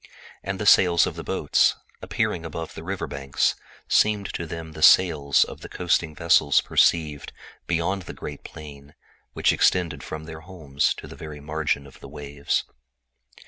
And the sails of the boats from the river banks seemed like the white wings of the coasting vessels seen beyond the great plain which extended from their homes to the very margin of the sea.